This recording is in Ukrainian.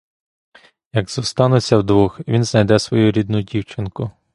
Як зостануться вдвох, він знайде свою рідну дівчинку.